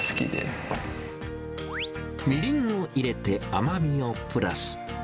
みりんを入れて甘みをプラス。